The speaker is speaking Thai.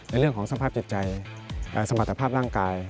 ในเรื่องของสมบัติภาพจิตใจสมบัติภาพร่างกาย